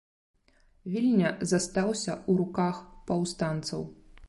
Вільня застаўся ў руках паўстанцаў.